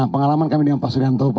pengalaman kami dengan pak suryanto